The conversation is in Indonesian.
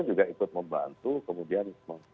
juga ikut membantu kemudian